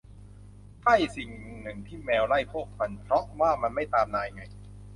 ใช่ สิ่งหนึ่งที่แมวไล่พวกมันเพราะว่ามันไม่ตามนายไง